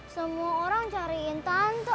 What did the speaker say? semua orang cariin tante